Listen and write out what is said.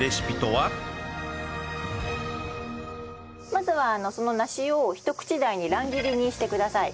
まずはその梨をひと口大に乱切りにしてください。